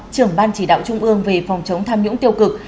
trưởng ban chỉ đạo trung ương về phòng chống tham nhũng tiêu cực